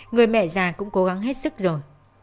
người mẹ già cũng cố gắng hết sức rồi